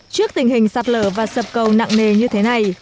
trước tình hình sạt lở và sập cầu nặng nề như thế này